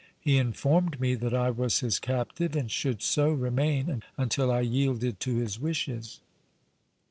He informed me that I was his captive and should so remain until I yielded to his wishes.